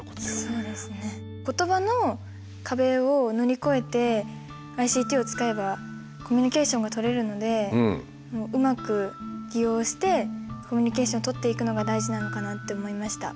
言葉の壁を乗り越えてＩＣＴを使えばコミュニケーションが取れるのでうまく利用してコミュニケーション取っていくのが大事なのかなって思いました。